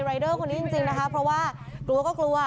เดอร์คนนี้จริงนะคะเพราะว่ากลัวก็กลัว